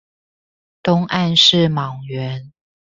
東岸是莽原